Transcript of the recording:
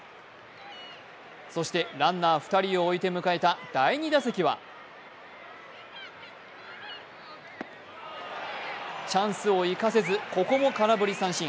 そして、ランナー２人を置いて迎えた第２打席はチャンスを生かせず、ここも空振り三振。